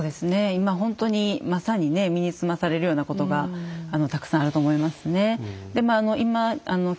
今ほんとにまさにね身につまされるようなことがたくさんあると思いますね。